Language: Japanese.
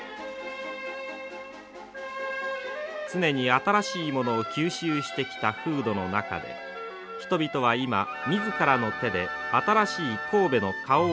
常に新しいものを吸収してきた風土の中で人々は今自らの手で新しい神戸の顔をつくり出そうとしているのです。